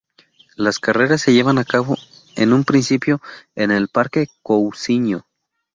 Las carreras se llevaban a cabo, en un principio, en el el Parque Cousiño.